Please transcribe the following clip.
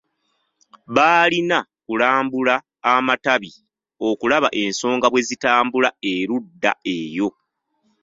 Baalina kulambula amatabi okulaba ensonga bwe zitambula erudda eyo.